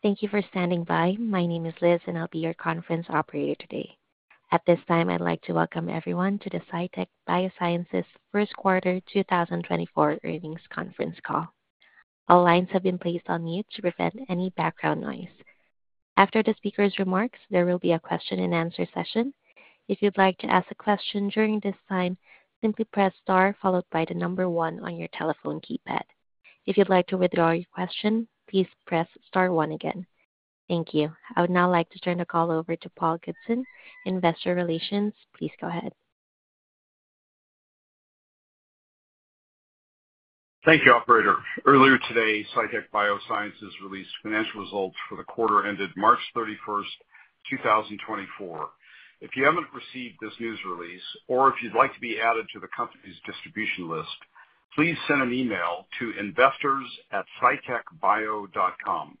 Thank you for standing by. My name is Liz, and I'll be your conference operator today. At this time, I'd like to welcome everyone to the Cytek Biosciences First Quarter 2024 Earnings Conference call. All lines have been placed on mute to prevent any background noise. After the speaker's remarks, there will be a question-and-answer session. If you'd like to ask a question during this time, simply press * followed by the number 1 on your telephone keypad. If you'd like to withdraw your question, please press *1 again. Thank you. I would now like to turn the call over to Paul Goodson, Investor Relations. Please go ahead. Thank you, Operator. Earlier today, Cytek Biosciences released financial results for the quarter ended March 31, 2024. If you haven't received this news release or if you'd like to be added to the company's distribution list, please send an email to investors@cytekbio.com.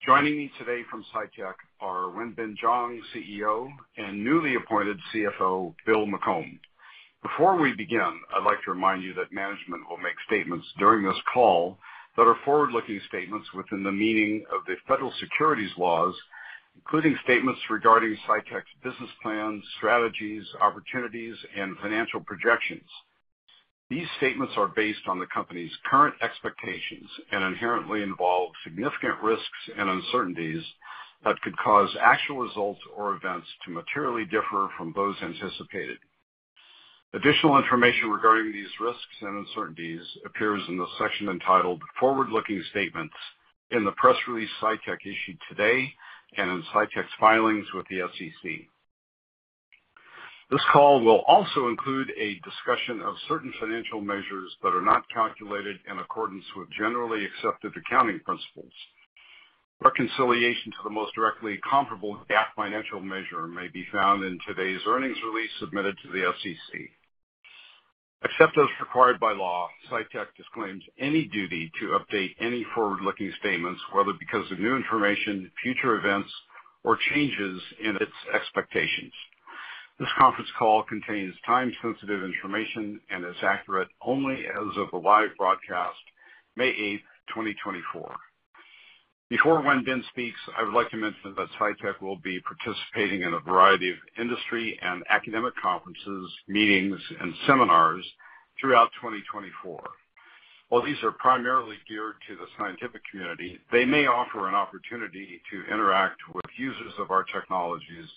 Joining me today from Cytek are Wenbin Jiang, CEO, and newly appointed CFO, Bill McCombe. Before we begin, I'd like to remind you that management will make statements during this call that are forward-looking statements within the meaning of the federal securities laws, including statements regarding Cytek's business plans, strategies, opportunities, and financial projections. These statements are based on the company's current expectations and inherently involve significant risks and uncertainties that could cause actual results or events to materially differ from those anticipated. Additional information regarding these risks and uncertainties appears in the section entitled "Forward-Looking Statements" in the press release Cytek issued today and in Cytek's filings with the SEC. This call will also include a discussion of certain financial measures that are not calculated in accordance with generally accepted accounting principles. Reconciliation to the most directly comparable GAAP financial measure may be found in today's earnings release submitted to the SEC. Except as required by law, Cytek disclaims any duty to update any forward-looking statements, whether because of new information, future events, or changes in its expectations. This conference call contains time-sensitive information and is accurate only as of the live broadcast, May 8, 2024. Before Wenbin speaks, I would like to mention that Cytek will be participating in a variety of industry and academic conferences, meetings, and seminars throughout 2024. While these are primarily geared to the scientific community, they may offer an opportunity to interact with users of our technologies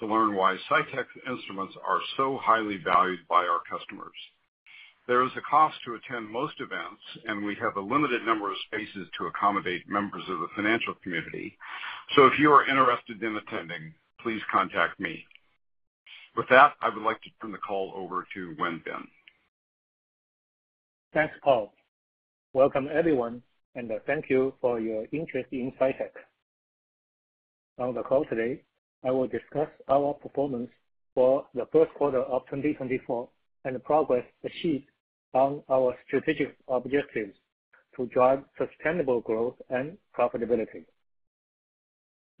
to learn why Cytek's instruments are so highly valued by our customers. There is a cost to attend most events, and we have a limited number of spaces to accommodate members of the financial community, so if you are interested in attending, please contact me. With that, I would like to turn the call over to Wenbin. Thanks, Paul. Welcome everyone, and thank you for your interest in Cytek. On the call today, I will discuss our performance for the first quarter of 2024 and the progress achieved on our strategic objectives to drive sustainable growth and profitability.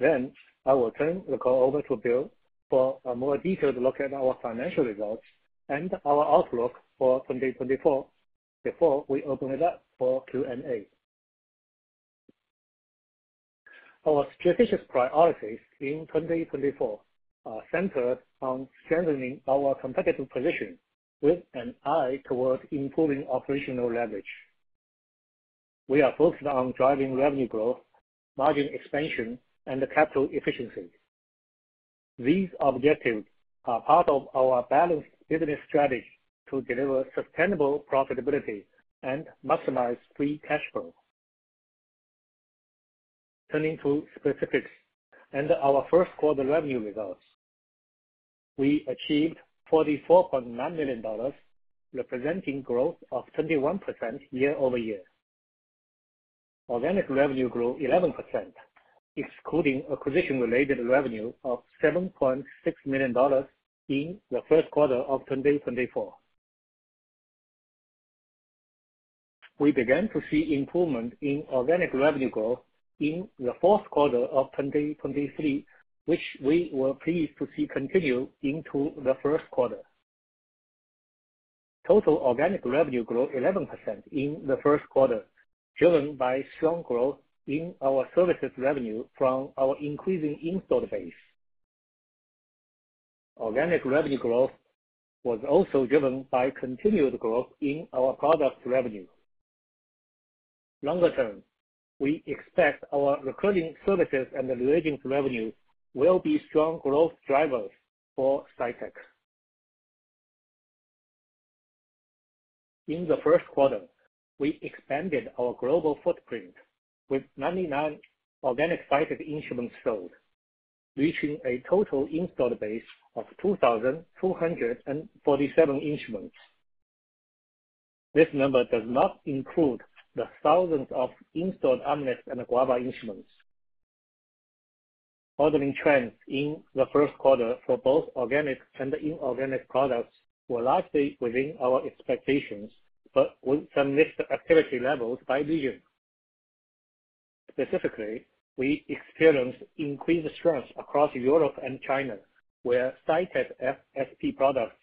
Then I will turn the call over to Bill for a more detailed look at our financial results and our outlook for 2024 before we open it up for Q&A. Our strategic priorities in 2024 are centered on strengthening our competitive position with an eye toward improving operational leverage. We are focused on driving revenue growth, margin expansion, and capital efficiency. These objectives are part of our balanced business strategy to deliver sustainable profitability and maximize free cash flow. Turning to specifics and our first quarter revenue results, we achieved $44.9 million, representing growth of 21% year-over-year. Organic revenue grew 11%, excluding acquisition-related revenue of $7.6 million in the first quarter of 2024. We began to see improvement in organic revenue growth in the fourth quarter of 2023, which we were pleased to see continue into the first quarter. Total organic revenue grew 11% in the first quarter, driven by strong growth in our services revenue from our increasing installed base. Organic revenue growth was also driven by continued growth in our product revenue. Longer term, we expect our recurring services and reagents revenue will be strong growth drivers for Cytek. In the first quarter, we expanded our global footprint with 99 organic Cytek instruments sold, reaching a total installed base of 2,247 instruments. This number does not include the thousands of installed Amnis and Guava instruments. Ordering trends in the first quarter for both organic and inorganic products were largely within our expectations but with some mixed activity levels by region. Specifically, we experienced increased strength across Europe and China, where Cytek FSP products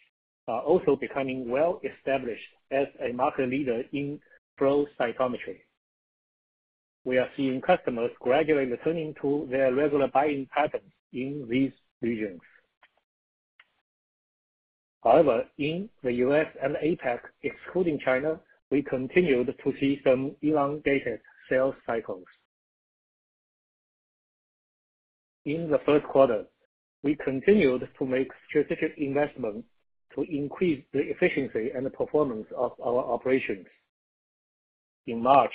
are also becoming well-established as a market leader in flow cytometry. We are seeing customers gradually returning to their regular buying patterns in these regions. However, in the U.S. and APEC, excluding China, we continued to see some elongated sales cycles. In the first quarter, we continued to make strategic investments to increase the efficiency and performance of our operations. In March,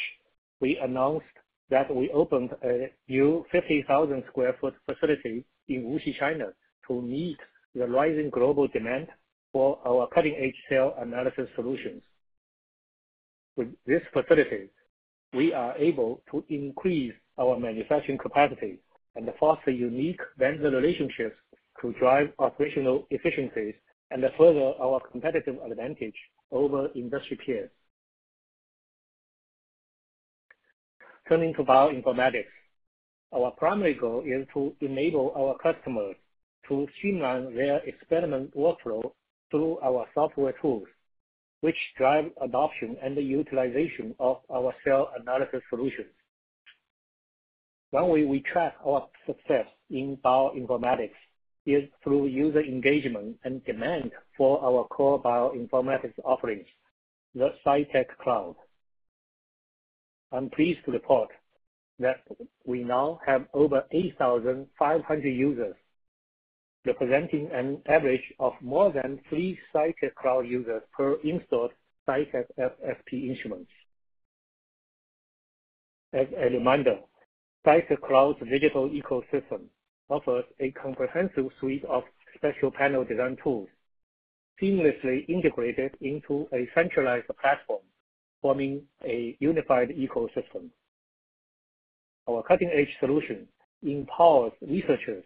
we announced that we opened a new 50,000 sq ft facility in Wuxi, China, to meet the rising global demand for our cutting-edge cell analysis solutions. With this facility, we are able to increase our manufacturing capacity and foster unique vendor relationships to drive operational efficiencies and further our competitive advantage over industry peers. Turning to bioinformatics, our primary goal is to enable our customers to streamline their experiment workflow through our software tools, which drive adoption and utilization of our cell analysis solutions. One way we track our success in bioinformatics is through user engagement and demand for our core bioinformatics offerings, the Cytek Cloud. I'm pleased to report that we now have over 8,500 users, representing an average of more than three Cytek Cloud users per in-store Cytek FSP instruments. As a reminder, Cytek Cloud's digital ecosystem offers a comprehensive suite of SpectroPanel design tools, seamlessly integrated into a centralized platform, forming a unified ecosystem. Our cutting-edge solution empowers researchers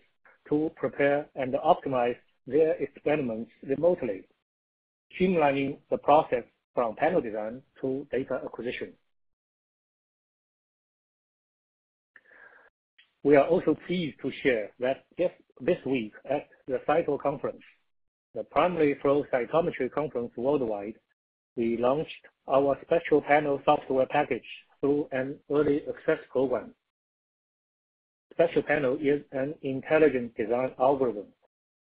to prepare and optimize their experiments remotely, streamlining the process from panel design to data acquisition. We are also pleased to share that this week, at the CYTO Conference, the primary flow cytometry conference worldwide, we launched our SpectroPanel software package through an early access program. SpectroPanel is an intelligent design algorithm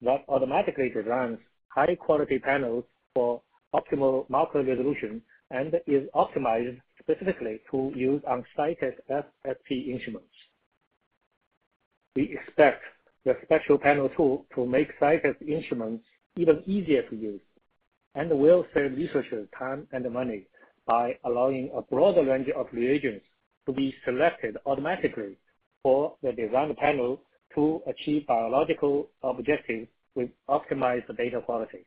that automatically designs high-quality panels for optimal marker resolution and is optimized specifically to use on Cytek FSP instruments. We expect the SpectroPanel tool to make Cytek instruments even easier to use and will save researchers time and money by allowing a broader range of liaisons to be selected automatically for the design panel to achieve biological objectives with optimized data qualities.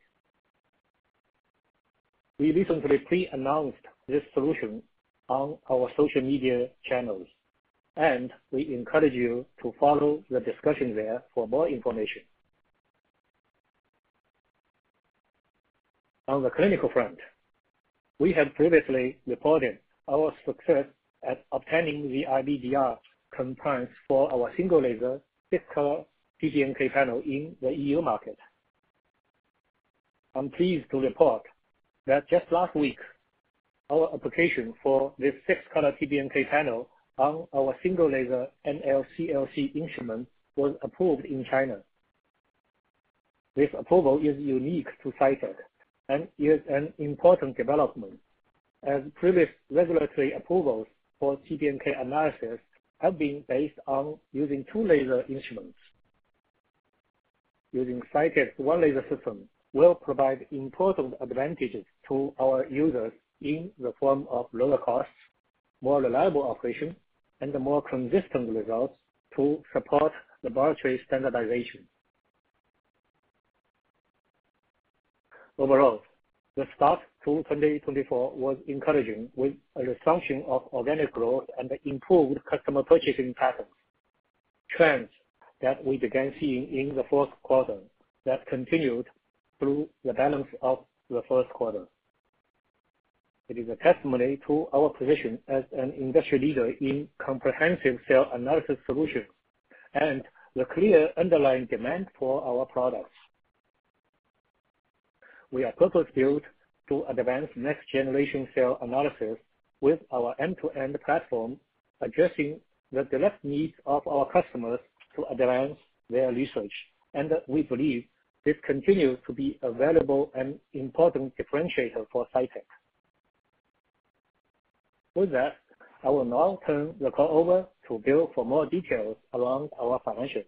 We recently pre-announced this solution on our social media channels, and we encourage you to follow the discussion there for more information. On the clinical front, we have previously reported our success at obtaining the IVDR compliance for our single laser six-color TBNK panel in the EU market. I'm pleased to report that just last week, our application for this six-color TBNK panel on our single laser Northern Lights-CLC instrument was approved in China. This approval is unique to Cytek and is an important development, as previous regulatory approvals for TBNK analysis have been based on using two laser instruments. Using Cytek's one-laser system will provide important advantages to our users in the form of lower costs, more reliable operation, and more consistent results to support laboratory standardization. Overall, the start to 2024 was encouraging with a resumption of organic growth and improved customer purchasing patterns, trends that we began seeing in the fourth quarter that continued through the balance of the first quarter. It is a testimony to our position as an industry leader in comprehensive cell analysis solutions and the clear underlying demand for our products. We are purpose-built to advance next-generation cell analysis with our end-to-end platform, addressing the direct needs of our customers to advance their research, and we believe this continues to be a valuable and important differentiator for Cytek. With that, I will now turn the call over to Bill for more details around our financials.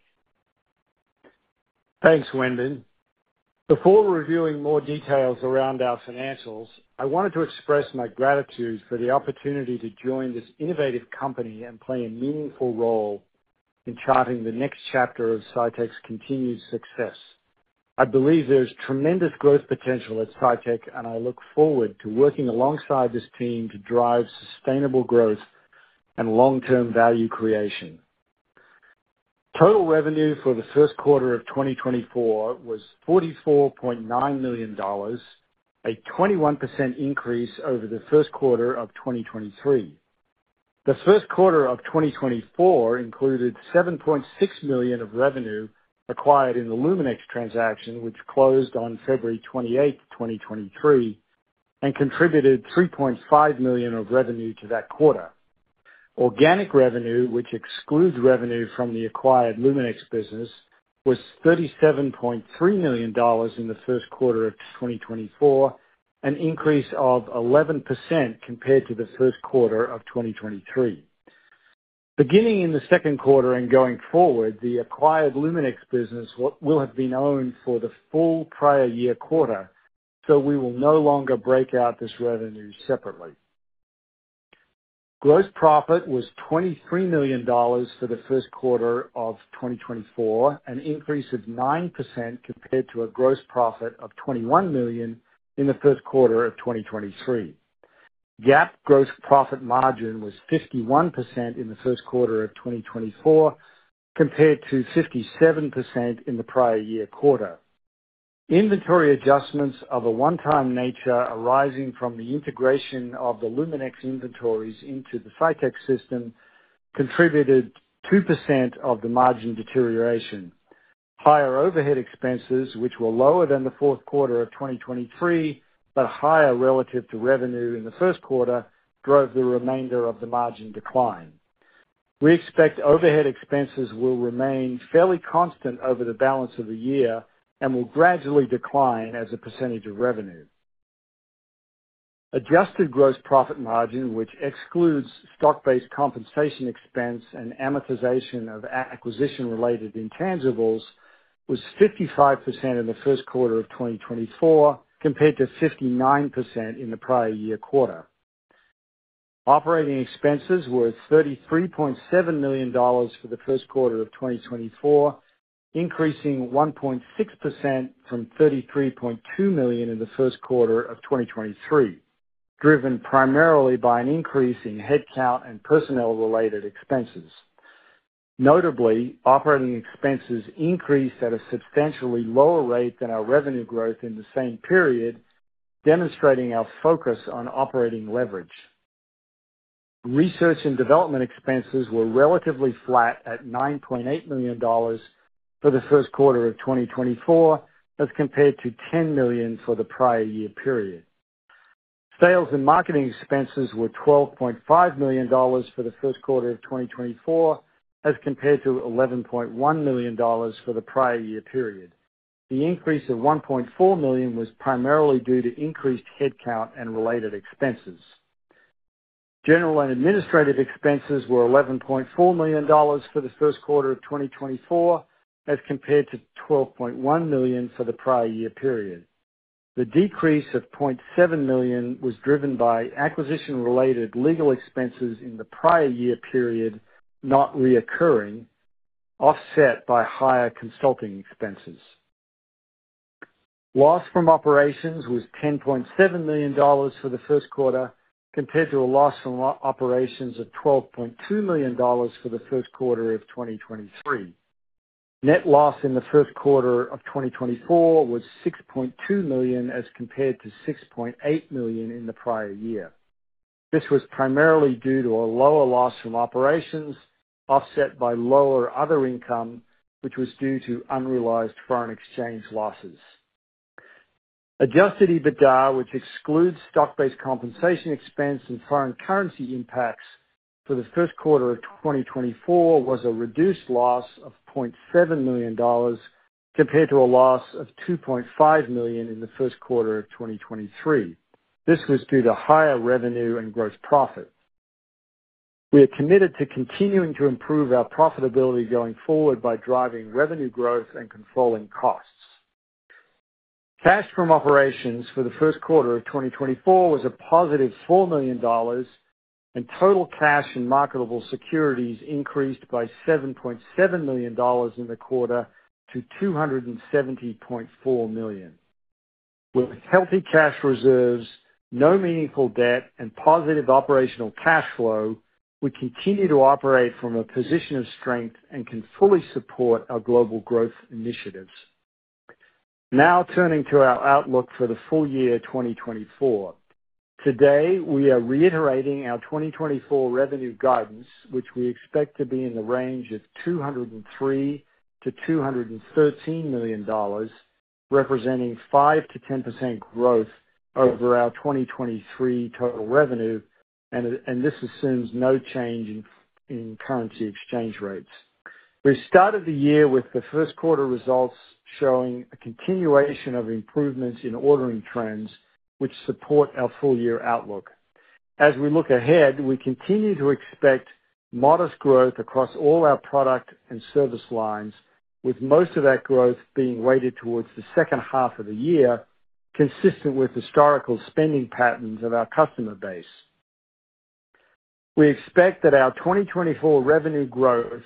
Thanks, Wenbin. Before reviewing more details around our financials, I wanted to express my gratitude for the opportunity to join this innovative company and play a meaningful role in charting the next chapter of Cytek's continued success. I believe there's tremendous growth potential at Cytek, and I look forward to working alongside this team to drive sustainable growth and long-term value creation. Total revenue for the first quarter of 2024 was $44.9 million, a 21% increase over the first quarter of 2023. The first quarter of 2024 included $7.6 million of revenue acquired in the Luminex transaction, which closed on February 28, 2023, and contributed $3.5 million of revenue to that quarter. Organic revenue, which excludes revenue from the acquired Luminex business, was $37.3 million in the first quarter of 2024, an increase of 11% compared to the first quarter of 2023. Beginning in the second quarter and going forward, the acquired Luminex business will have been owned for the full prior year quarter, so we will no longer break out this revenue separately. Gross profit was $23 million for the first quarter of 2024, an increase of 9% compared to a gross profit of $21 million in the first quarter of 2023. GAAP gross profit margin was 51% in the first quarter of 2024 compared to 57% in the prior year quarter. Inventory adjustments of a one-time nature arising from the integration of the Luminex inventories into the Cytek system contributed 2% of the margin deterioration. Higher overhead expenses, which were lower than the fourth quarter of 2023 but higher relative to revenue in the first quarter, drove the remainder of the margin decline. We expect overhead expenses will remain fairly constant over the balance of the year and will gradually decline as a percentage of revenue. Adjusted gross profit margin, which excludes stock-based compensation expense and amortization of acquisition-related intangibles, was 55% in the first quarter of 2024 compared to 59% in the prior year quarter. Operating expenses were $33.7 million for the first quarter of 2024, increasing 1.6% from $33.2 million in the first quarter of 2023, driven primarily by an increase in headcount and personnel-related expenses. Notably, operating expenses increased at a substantially lower rate than our revenue growth in the same period, demonstrating our focus on operating leverage. Research and development expenses were relatively flat at $9.8 million for the first quarter of 2024 as compared to $10 million for the prior year period. Sales and marketing expenses were $12.5 million for the first quarter of 2024 as compared to $11.1 million for the prior year period. The increase of $1.4 million was primarily due to increased headcount and related expenses. General and administrative expenses were $11.4 million for the first quarter of 2024 as compared to $12.1 million for the prior year period. The decrease of $0.7 million was driven by acquisition-related legal expenses in the prior year period not reoccurring, offset by higher consulting expenses. Loss from operations was $10.7 million for the first quarter compared to a loss from operations of $12.2 million for the first quarter of 2023. Net loss in the first quarter of 2024 was $6.2 million as compared to $6.8 million in the prior year. This was primarily due to a lower loss from operations, offset by lower other income, which was due to unrealized foreign exchange losses. Adjusted EBITDA, which excludes stock-based compensation expense and foreign currency impacts for the first quarter of 2024, was a reduced loss of $0.7 million compared to a loss of $2.5 million in the first quarter of 2023. This was due to higher revenue and gross profit. We are committed to continuing to improve our profitability going forward by driving revenue growth and controlling costs. Cash from operations for the first quarter of 2024 was a positive $4 million, and total cash and marketable securities increased by $7.7 million in the quarter to $270.4 million. With healthy cash reserves, no meaningful debt, and positive operational cash flow, we continue to operate from a position of strength and can fully support our global growth initiatives. Now turning to our outlook for the full year 2024. Today, we are reiterating our 2024 revenue guidance, which we expect to be in the range of $203 million-$213 million, representing 5%-10% growth over our 2023 total revenue, and this assumes no change in currency exchange rates. We started the year with the first quarter results showing a continuation of improvements in ordering trends, which support our full year outlook. As we look ahead, we continue to expect modest growth across all our product and service lines, with most of that growth being weighted towards the second half of the year, consistent with historical spending patterns of our customer base. We expect that our 2024 revenue growth,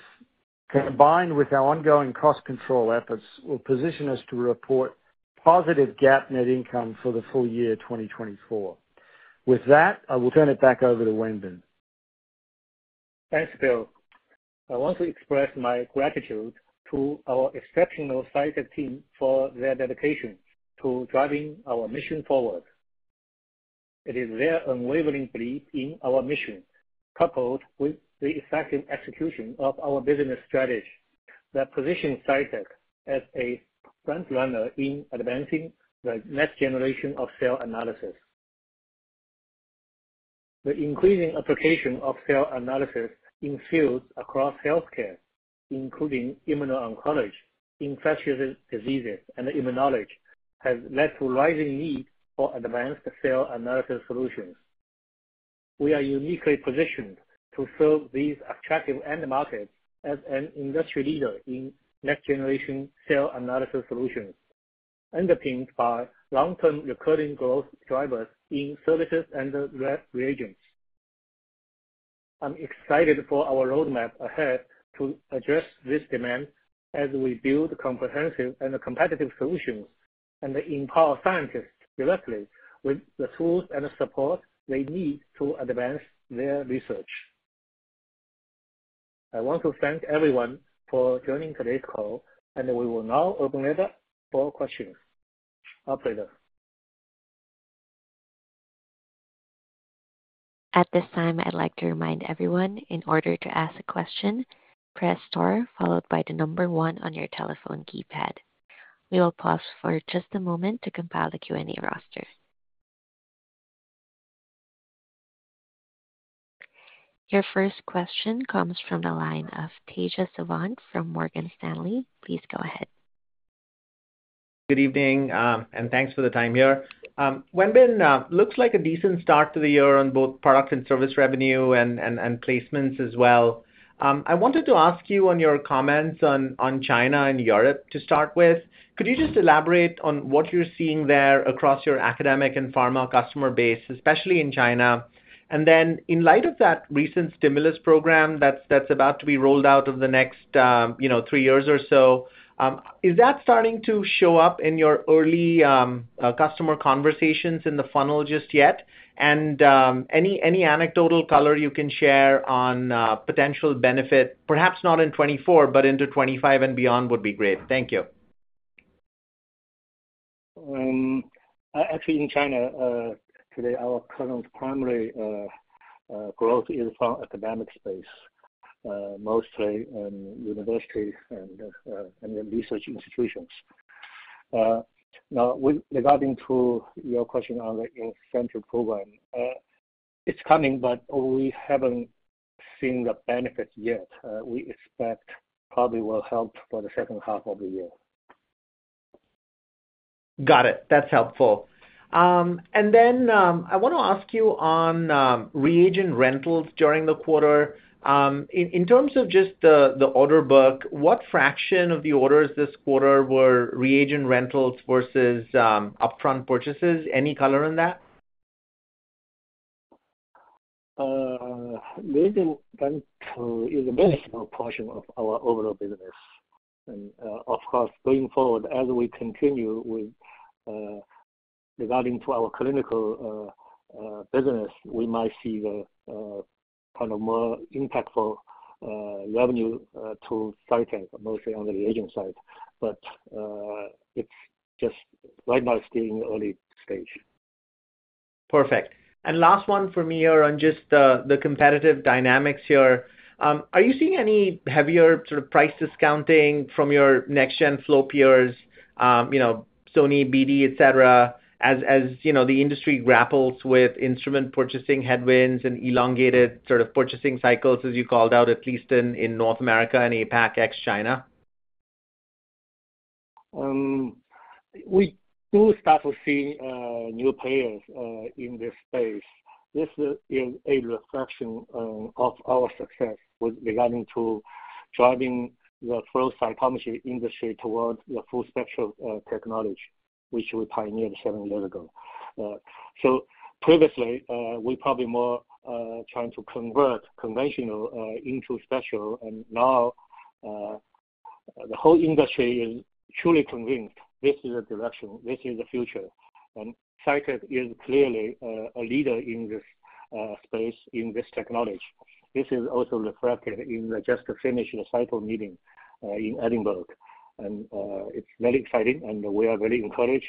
combined with our ongoing cost control efforts, will position us to report positive GAAP net income for the full year 2024. With that, I will turn it back over to Wenbin. Thanks, Bill. I want to express my gratitude to our exceptional Cytek team for their dedication to driving our mission forward. It is their unwavering belief in our mission, coupled with the effective execution of our business strategy, that positions Cytek as a frontrunner in advancing the next generation of cell analysis. The increasing application of cell analysis in fields across healthcare, including immuno-oncology, infectious diseases, and immunology, has led to rising need for advanced cell analysis solutions. We are uniquely positioned to serve these attractive end markets as an industry leader in next-generation cell analysis solutions, underpinned by long-term recurring growth drivers in services and reagents. I'm excited for our roadmap ahead to address this demand as we build comprehensive and competitive solutions and empower scientists directly with the tools and support they need to advance their research. I want to thank everyone for joining today's call, and we will now open it up for questions. Have a pleasure. At this time, I'd like to remind everyone, in order to ask a question, press "star" followed by the number 1 on your telephone keypad. We will pause for just a moment to compile the Q&A roster. Your first question comes from the line of Tejas Savant from Morgan Stanley. Please go ahead. Good evening, and thanks for the time here. Wenbin, looks like a decent start to the year on both product and service revenue and placements as well. I wanted to ask you on your comments on China and Europe to start with. Could you just elaborate on what you're seeing there across your academic and pharma customer base, especially in China? And then, in light of that recent stimulus program that's about to be rolled out over the next three years or so, is that starting to show up in your early customer conversations in the funnel just yet? And any anecdotal color you can share on potential benefit, perhaps not in 2024 but into 2025 and beyond, would be great. Thank you. Actually, in China today, our current primary growth is from academic space, mostly universities and research institutions. Now, regarding to your question on the incentive program, it's coming, but we haven't seen the benefits yet. We expect it probably will help for the second half of the year. Got it. That's helpful. And then I want to ask you on reagent rentals during the quarter. In terms of just the order book, what fraction of the orders this quarter were reagent rentals versus upfront purchases? Any color in that? Reagent Rentals is a very small portion of our overall business. Of course, going forward, as we continue regarding to our clinical business, we might see kind of more impactful revenue to Cytek, mostly on the reagent side. Right now, it's still in the early stage. Perfect. And last one for me on just the competitive dynamics here. Are you seeing any heavier sort of price discounting from your next-gen flow peers, Sony, BD, etc., as the industry grapples with instrument purchasing headwinds and elongated sort of purchasing cycles, as you called out, at least in North America and APAC ex-China? We do start to see new players in this space. This is a reflection of our success regarding to driving the flow cytometry industry towards the full spectrum technology, which we pioneered seven years ago. So previously, we were probably more trying to convert conventional into spectral, and now the whole industry is truly convinced this is the direction. This is the future. And Cytek is clearly a leader in this space, in this technology. This is also reflected in I just finished the CYTO meeting in Edinburgh. And it's very exciting, and we are very encouraged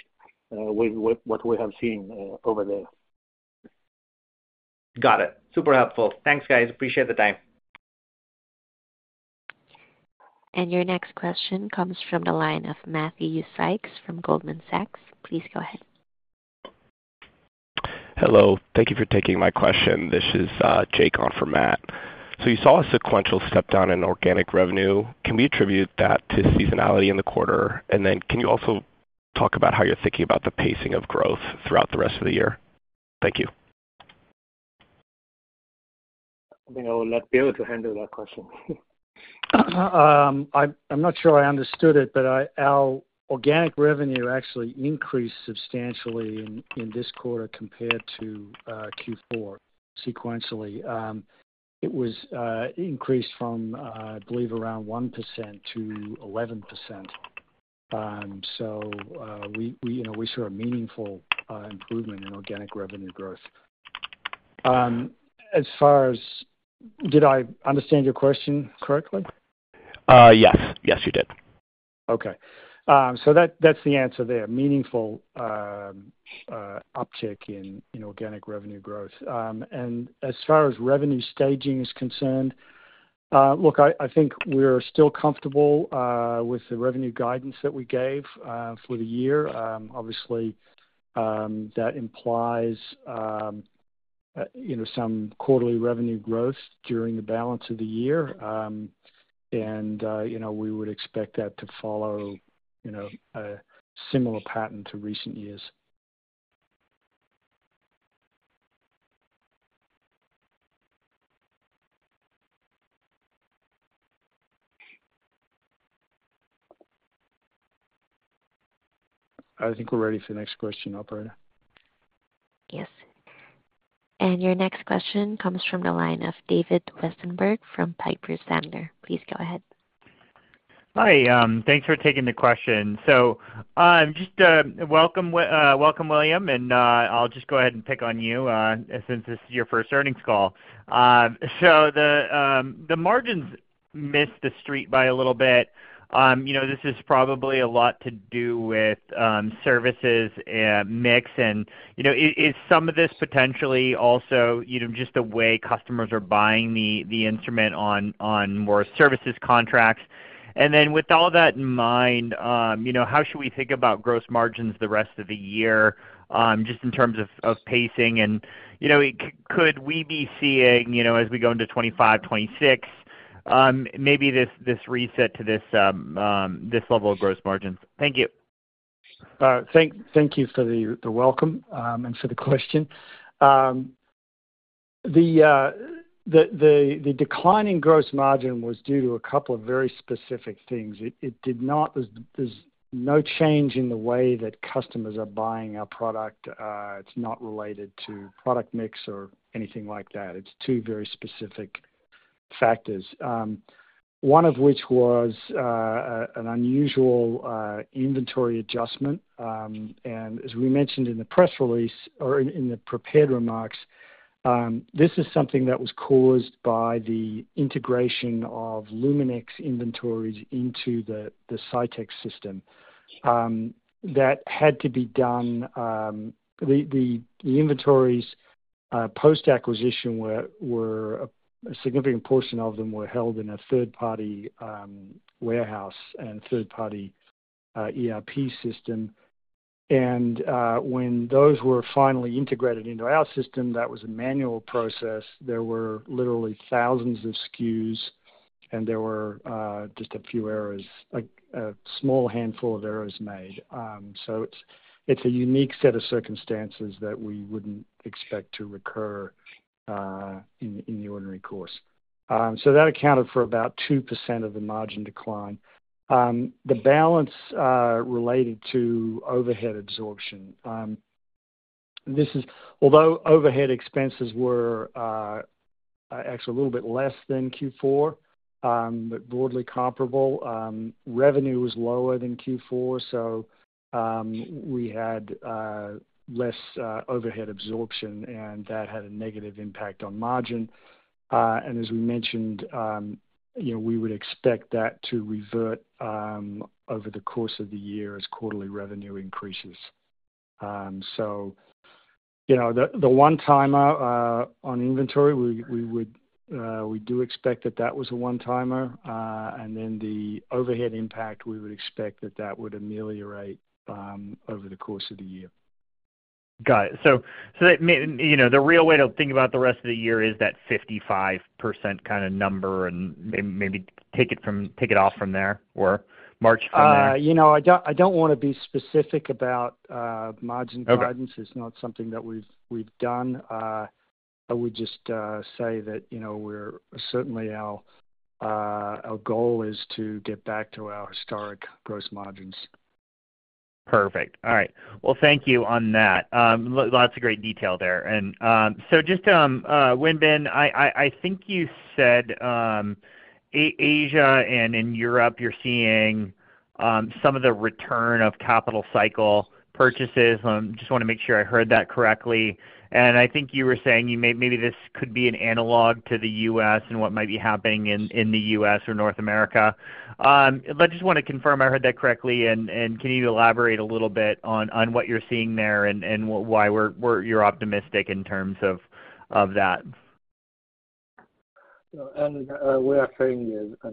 with what we have seen over there. Got it. Super helpful. Thanks, guys. Appreciate the time. Your next question comes from the line of Matthew Sykes from Goldman Sachs. Please go ahead. Hello. Thank you for taking my question. This is Jake on for Matt. So you saw a sequential stepdown in organic revenue. Can we attribute that to seasonality in the quarter? And then can you also talk about how you're thinking about the pacing of growth throughout the rest of the year? Thank you. I think I'll let Bill to handle that question. I'm not sure I understood it, but our organic revenue actually increased substantially in this quarter compared to Q4 sequentially. It was increased from, I believe, around 1%-11%. So we saw a meaningful improvement in organic revenue growth. Did I understand your question correctly? Yes. Yes, you did. Okay. So that's the answer there, meaningful uptick in organic revenue growth. And as far as revenue staging is concerned, look, I think we're still comfortable with the revenue guidance that we gave for the year. Obviously, that implies some quarterly revenue growth during the balance of the year, and we would expect that to follow a similar pattern to recent years. I think we're ready for the next question, operator. Yes. And your next question comes from the line of David Westenberg from Piper Sandler. Please go ahead. Hi. Thanks for taking the question. So just welcome, William. And I'll just go ahead and pick on you since this is your first earnings call. So the margins missed the street by a little bit. This is probably a lot to do with services mix. And is some of this potentially also just the way customers are buying the instrument on more services contracts? And then with all that in mind, how should we think about gross margins the rest of the year just in terms of pacing? And could we be seeing, as we go into 2025, 2026, maybe this reset to this level of gross margins? Thank you. Thank you for the welcome and for the question. The declining gross margin was due to a couple of very specific things. There's no change in the way that customers are buying our product. It's not related to product mix or anything like that. It's two very specific factors, one of which was an unusual inventory adjustment. As we mentioned in the press release or in the prepared remarks, this is something that was caused by the integration of Luminex inventories into the Cytek system. That had to be done. The inventories post-acquisition, a significant portion of them were held in a third-party warehouse and third-party ERP system. When those were finally integrated into our system, that was a manual process. There were literally thousands of SKUs, and there were just a few errors, a small handful of errors made. So it's a unique set of circumstances that we wouldn't expect to recur in the ordinary course. So that accounted for about 2% of the margin decline. The balance related to overhead absorption, although overhead expenses were actually a little bit less than Q4 but broadly comparable, revenue was lower than Q4. So we had less overhead absorption, and that had a negative impact on margin. And as we mentioned, we would expect that to revert over the course of the year as quarterly revenue increases. So the one-timer on inventory, we do expect that that was a one-timer. And then the overhead impact, we would expect that that would ameliorate over the course of the year. Got it. So the real way to think about the rest of the year is that 55% kind of number and maybe take it off from there or march from there? I don't want to be specific about margin guidance. It's not something that we've done. I would just say that certainly, our goal is to get back to our historic gross margins. Perfect. All right. Well, thank you on that. Lots of great detail there. And so just, Wenbin, I think you said Asia and in Europe, you're seeing some of the return of capital cycle purchases. I just want to make sure I heard that correctly. And I think you were saying maybe this could be an analog to the US and what might be happening in the US or North America. I just want to confirm I heard that correctly. And can you elaborate a little bit on what you're seeing there and why you're optimistic in terms of that? And we are seeing this,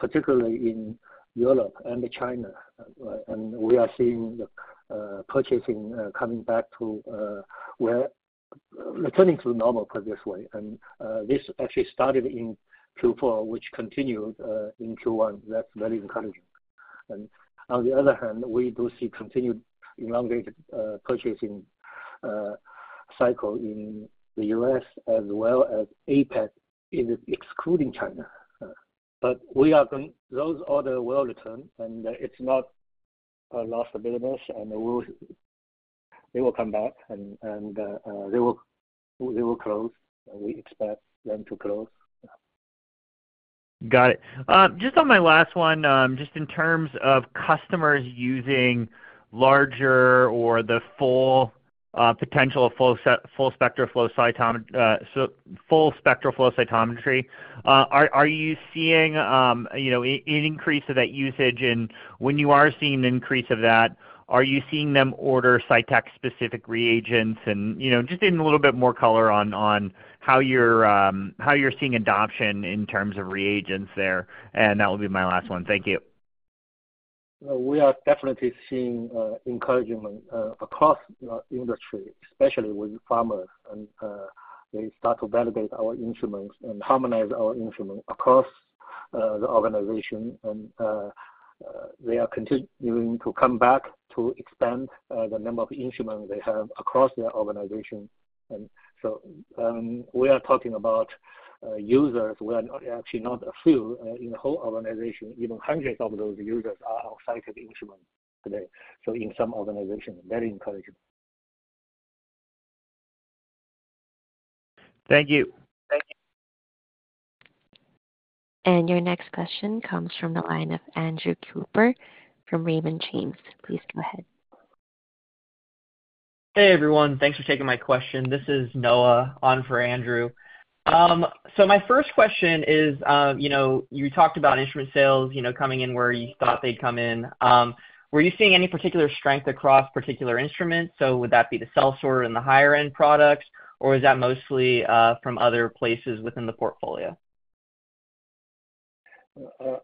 particularly in Europe and China. And we are seeing purchasing coming back to returning to normal previous way. And this actually started in Q4, which continued in Q1. That's very encouraging. And on the other hand, we do see continued elongated purchasing cycle in the U.S. as well as APAC, excluding China. But those are the well-returned, and it's not lost business. And they will come back, and they will close. We expect them to close. Got it. Just on my last one, just in terms of customers using larger or the full potential of full-spectral flow cytometry, are you seeing an increase of that usage? And when you are seeing an increase of that, are you seeing them order Cytek-specific reagents? And just getting a little bit more color on how you're seeing adoption in terms of reagents there. And that will be my last one. Thank you. We are definitely seeing encouragement across the industry, especially with pharma. And they start to validate our instruments and harmonize our instruments across the organization. And they are continuing to come back to expand the number of instruments they have across their organization. And so we are talking about users. We are actually not a few. In the whole organization, even hundreds of those users are on Cytek instruments today in some organizations. Very encouraging. Thank you. Your next question comes from the line of Andrew Cooper from Raymond James. Please go ahead. Hey, everyone. Thanks for taking my question. This is Noah on for Andrew. So my first question is, you talked about instrument sales coming in where you thought they'd come in. Were you seeing any particular strength across particular instruments? So would that be the Aurora CS and the higher-end products, or is that mostly from other places within the portfolio?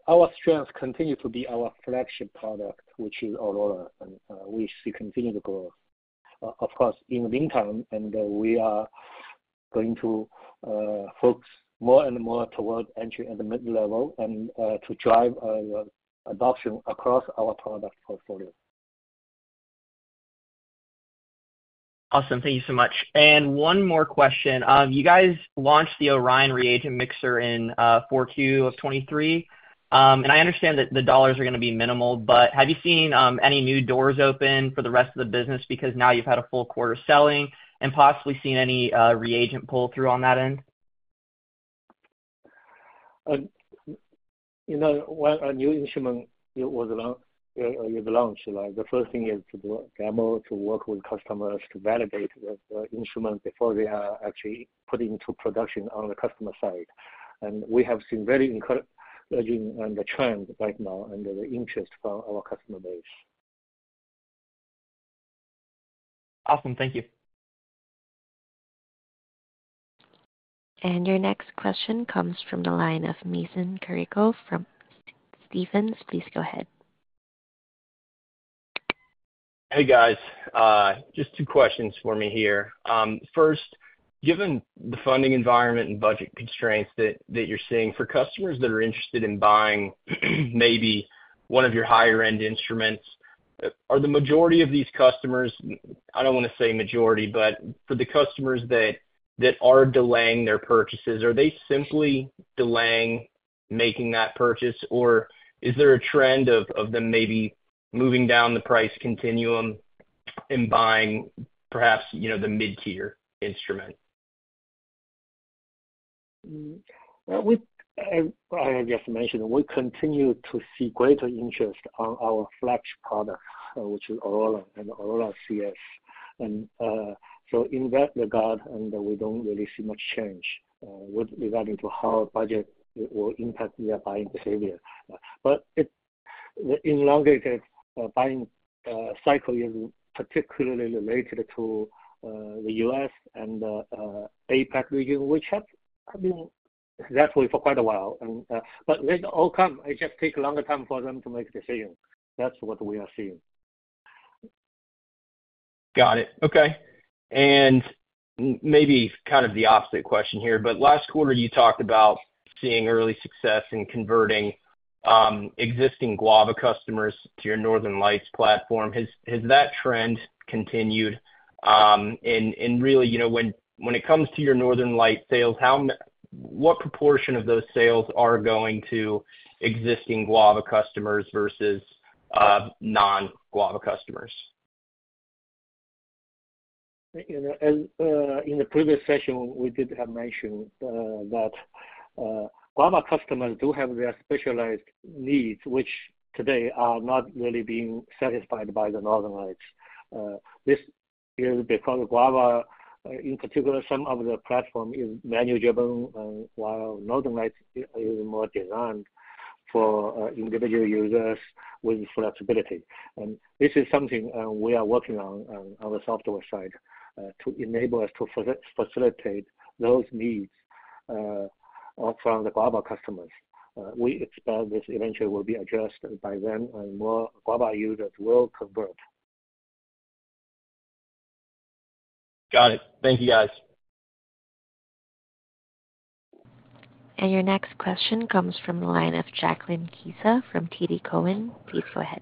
Our strength continues to be our flagship product, which is Aurora. And we see continued growth, of course, in the meantime. And we are going to focus more and more toward entry and mid-level and to drive adoption across our product portfolio. Awesome. Thank you so much. And one more question. You guys launched the Orion reagent mixer in 4Q of 2023. And I understand that the dollars are going to be minimal, but have you seen any new doors open for the rest of the business because now you've had a full quarter selling and possibly seen any reagent pull through on that end? A new instrument, it was launched. The first thing is to demo to work with customers to validate the instrument before they are actually put into production on the customer side. We have seen very encouraging trends right now and the interest from our customer base. Awesome. Thank you. Your next question comes from the line of Mason Carrico from Stephens. Please go ahead. Hey, guys. Just two questions for me here. First, given the funding environment and budget constraints that you're seeing for customers that are interested in buying maybe one of your higher-end instruments, are the majority of these customers—I don't want to say majority, but for the customers that are delaying their purchases, are they simply delaying making that purchase, or is there a trend of them maybe moving down the price continuum and buying perhaps the mid-tier instrument? Well, I guess I mentioned we continue to see greater interest on our flagship product, which is Aurora and Aurora CS. So in that regard, we don't really see much change regarding to how budget will impact their buying behavior. But the elongated buying cycle is particularly related to the US and the APAC region, which have been that way for quite a while. But they all come. It just takes longer time for them to make a decision. That's what we are seeing. Got it. Okay. And maybe kind of the opposite question here, but last quarter, you talked about seeing early success in converting existing Guava customers to your Northern Lights platform. Has that trend continued? And really, when it comes to your Northern Lights sales, what proportion of those sales are going to existing Guava customers versus non-Guava customers? In the previous session, we did have mentioned that Guava customers do have their specialized needs, which today are not really being satisfied by the Northern Lights. This is because Guava, in particular, some of the platform is manageable, while Northern Lights is more designed for individual users with flexibility. This is something we are working on the software side to enable us to facilitate those needs from the Guava customers. We expect this eventually will be addressed by them, and more Guava users will convert. Got it. Thank you, guys. Your next question comes from the line of Jacqueline Kisa from TD Cowen. Please go ahead.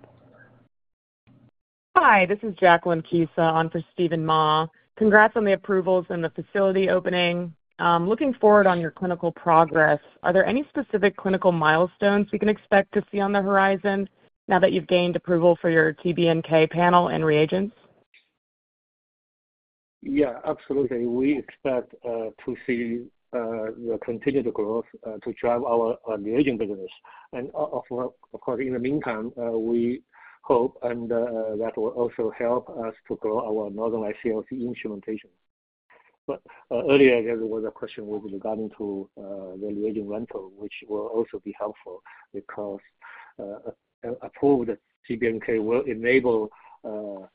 Hi. This is Jacqueline Kisa on for Steven Mah. Congrats on the approvals and the facility opening. Looking forward on your clinical progress, are there any specific clinical milestones we can expect to see on the horizon now that you've gained approval for your TBNK panel and reagents? Yeah, absolutely. We expect to see the continued growth to drive our reagent business. And of course, in the meantime, we hope that will also help us to grow our Northern Lights CLC instrumentation. But earlier, there was a question regarding the reagent rental, which will also be helpful because approved TBNK will enable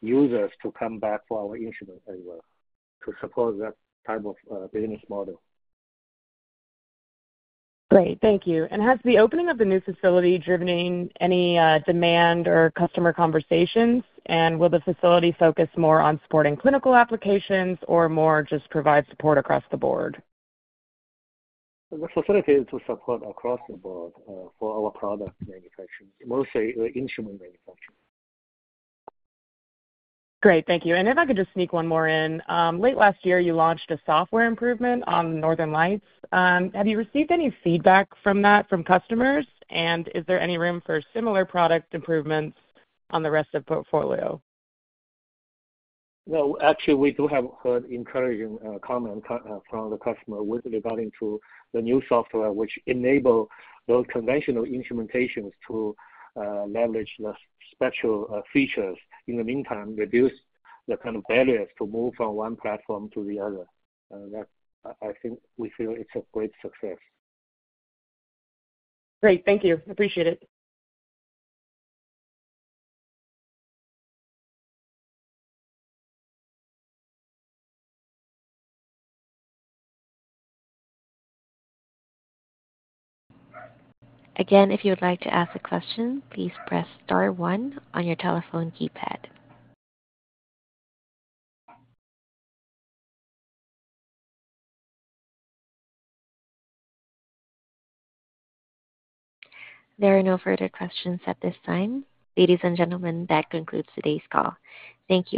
users to come back for our instruments as well to support that type of business model. Great. Thank you. And has the opening of the new facility driven any demand or customer conversations? And will the facility focus more on supporting clinical applications or more just provide support across the board? The facility is to support across the board for our product manufacturing, mostly instrument manufacturing. Great. Thank you. If I could just sneak one more in, late last year, you launched a software improvement on Northern Lights. Have you received any feedback from that from customers? And is there any room for similar product improvements on the rest of the portfolio? Well, actually, we do have an encouraging comment from the customer regarding the new software, which enables those conventional instrumentations to leverage the special features. In the meantime, reduce the kind of barriers to move from one platform to the other. I think we feel it's a great success. Great. Thank you. Appreciate it. Again, if you would like to ask a question, please press star 1 on your telephone keypad. There are no further questions at this time. Ladies and gentlemen, that concludes today's call. Thank you.